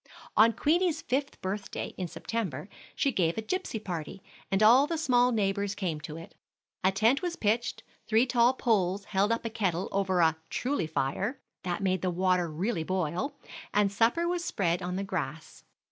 On Queenie's fifth birthday, in September, she had a gipsy party, and all the small neighbors came to it. A tent was pitched, three tall poles held up a kettle over a "truly fire" that made the water really boil, and supper was spread on the grass.